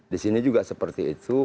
di sini juga seperti itu